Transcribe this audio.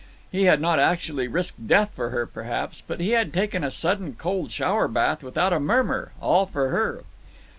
He had not actually risked death for her, perhaps, but he had taken a sudden cold shower bath without a murmur—all for her.